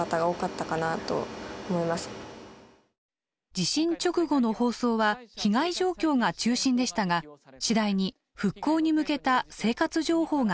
地震直後の放送は被害状況が中心でしたが次第に復興に向けた生活情報が中心に。